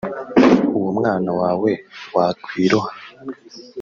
uwo mwana wawe wakwiroha